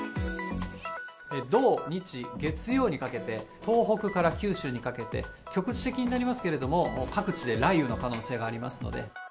土、日、月曜にかけて、東北から九州にかけて、局地的になりますけれども、各地で雷雨の可能性がありますので。